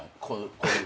こういう。